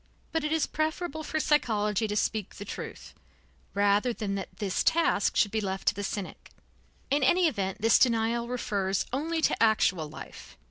But it is preferable for psychology to speak the truth, rather than that this task should be left to the cynic. In any event, this denial refers only to actual life.